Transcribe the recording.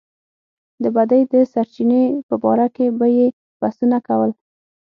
د بدۍ د سرچينې په باره کې به يې بحثونه کول.